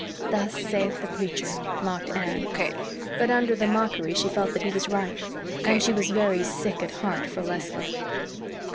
"Thus saith the preacher," mocked Anne. But under the mockery she felt that he was right; and she was very sick at heart for Leslie.